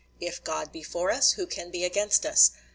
"If God be for us, who can be against us?